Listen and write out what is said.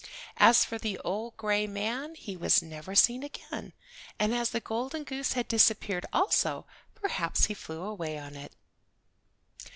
As for the old gray man he was never seen again, and as the golden goose had disappeared also, perhaps he flew away on it.